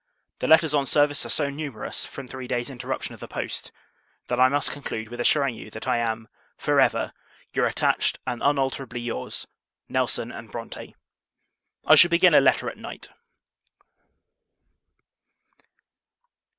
The letters on service are so numerous, from three days interruption of the post, that I must conclude with assuring you, that I am, for ever, your attached, and unalterably your's, NELSON & BRONTE. I shall begin a letter at night.